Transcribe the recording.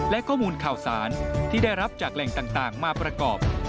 และข้อมูลข่าวสารที่ได้รับจากแหล่งต่างมาประกอบ